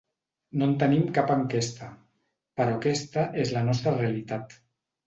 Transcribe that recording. No en tenim cap enquesta, però aquesta és la nostra realitat.